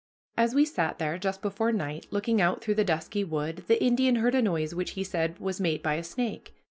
As we sat there, just before night, looking out through the dusky wood, the Indian heard a noise which he said was made by a snake.